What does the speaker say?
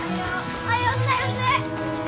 おはようございます！